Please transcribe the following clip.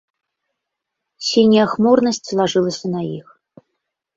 Сіняя хмурнасць лажылася на іх.